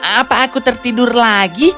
apa aku tertidur lagi